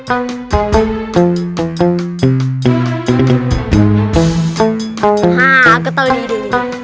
aku punya ide